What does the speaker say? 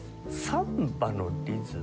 サンバのリズム？